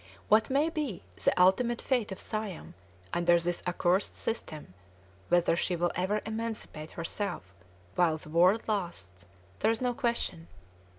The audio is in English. What may be the ultimate fate of Siam under this accursed system, whether she will ever emancipate herself while the world lasts, there is no guessing.